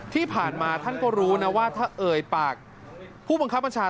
ที่ผ่านมาท่านก็รู้นะว่าถ้าเอ่ยปากผู้บังคับบัญชา